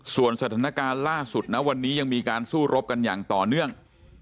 ส่วนสถานการณ์ล่าสุดนะวันนี้ยังมีการสู้รบกันอย่างต่อเนื่อง